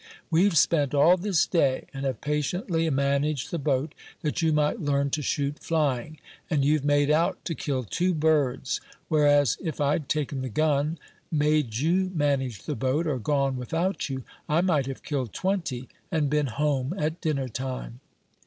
We've spent all this day, and have patiently managed the boat, that you might learn to shoot flying, and you've made out to kill two birds; whereas, if I'd taken the gun, made you manage the boat, or gone without you, I might have killed twenty, and been home at dinner time."